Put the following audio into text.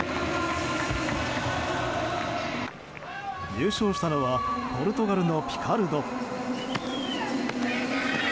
優勝したのはポルトガルのピカルド。